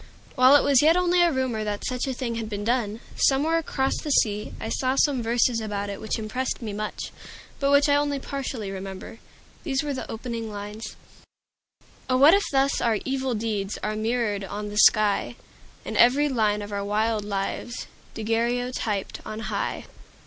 While it was yet only a rumor that such a thing had been done, somewhere across the sea, I saw some verses about it which impressed me much, but which I only partly remember. These were the opening lines: "Oh, what if thus our evil deeds Are mirrored on the sky, And every line of our wild lives Daguerreotyped on high!"